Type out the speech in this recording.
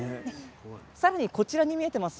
さらに、こちらに見えています